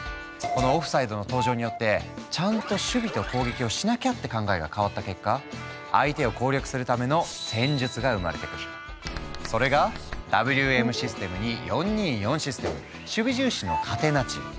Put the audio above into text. このオフサイドの登場によってちゃんと守備と攻撃をしなきゃって考えが変わった結果相手を攻略するためのそれがＷＭシステムに４ー２ー４システム守備重視のカテナチオ。